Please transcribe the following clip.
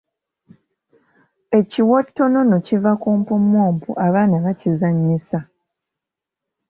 Ekiwottonono kiva ku mpummumpu abaana bakizannyisa.